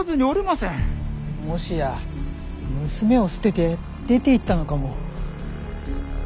もしや娘を捨てて出て行ったのかも。